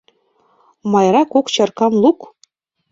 Майра, кок чаркам лук!